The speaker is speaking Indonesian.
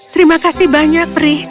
terima kasih banyak pri